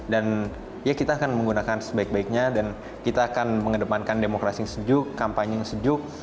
dan ya kita akan menggunakan sebaik baiknya dan kita akan mengedepankan demokrasi yang sejuk kampanye yang sejuk